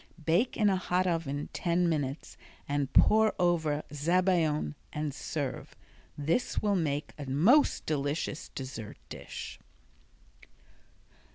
Bake in a hot oven ten minutes and pour over zabaione and serve. This will make a most delicious dessert dish.